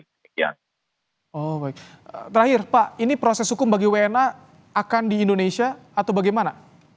baik terakhir pak ini proses hukum bagi wna akan di indonesia atau bagaimana